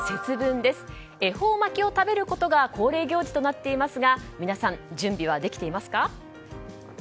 恵方巻きを食べることが恒例行事となっていますが皆さん、準備はできていますか？